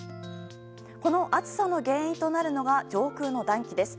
この暑さの原因となるのが上空の暖気です。